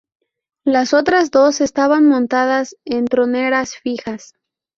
Las otras dos estaban montadas en troneras fijas.